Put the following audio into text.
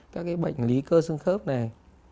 các cái bệnh lý cơ xương khớp này